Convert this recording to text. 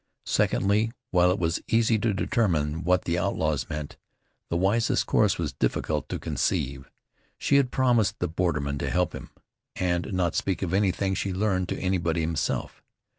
Secondly, while it was easy to determine what the outlaws meant, the wisest course was difficult to conceive. She had promised the borderman to help him, and not speak of anything she learned to any but himself.